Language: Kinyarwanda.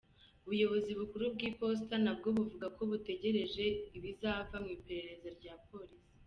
Ubuyobozi bukuru bw’iposita nabwo buvuga ko butegereje ibizava mu iperereza rya polisi.